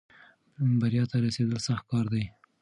بریا ته رسېدل سخت کار دی.